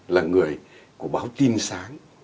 là người của báo tin sáng